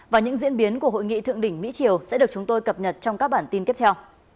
và những diễn biến của hội nghị thượng đỉnh mỹ triều sẽ được chúng tôi cập nhật trong các bản tin tiếp theo